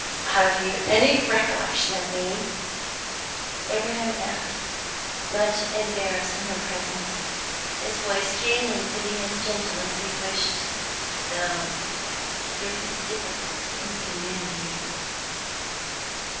"Have you any recollection of me?" Abraham asked, much embarrassed in her presence, his voice failing to be as gentle as he wished through his difficulty in commanding it.